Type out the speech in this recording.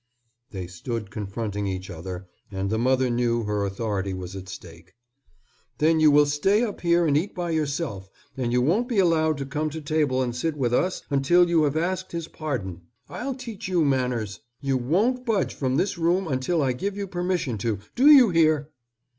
They stood confronting each other, and the mother knew her authority was at stake. "Then you will stay up here and eat by yourself, and you won't be allowed to come to table and sit with us until you have asked his pardon. I'll teach you manners. You won't budge from this room until I give you permission to, do you hear?"